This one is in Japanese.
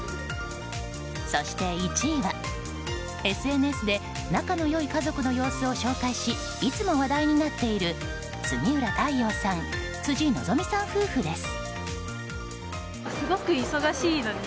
そして１位は、ＳＮＳで仲の良い家族の様子を紹介しいつも話題になっている杉浦太陽さん辻希美さん夫婦です。